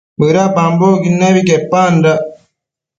bëdapambocquid nebi quepandac